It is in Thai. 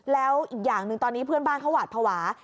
แล้วอีกอย่างหนึ่งตอนนี้เพื่อนบ้านเขาหวาดภาวะ